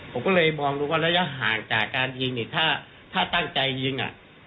ผมก็เลยมองดูว่าระยะห่างจากการยิงเนี่ยถ้าตั้งใจยิงอ่ะ